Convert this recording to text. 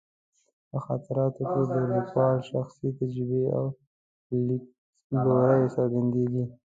په خاطراتو کې د لیکوال شخصي تجربې او لیدلوري څرګندېږي.